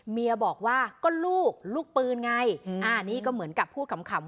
เมียบอกว่าก็ลูกลูกปืนไงอ่านี่ก็เหมือนกับพูดขำ